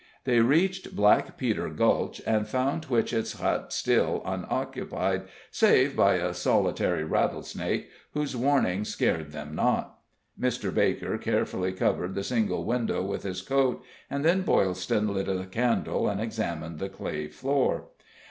They reached Black Peter Gulch and found Twitchett's hut still unoccupied, save by a solitary rattlesnake, whose warning scared them not. Mr. Baker carefully covered the single window with his coat, and then Boylston lit a candle and examined the clay floor.